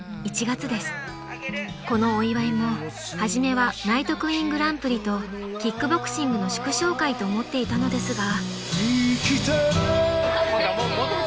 ［このお祝いも初めはＮＩＧＨＴＱＵＥＥＮグランプリとキックボクシングの祝勝会と思っていたのですが］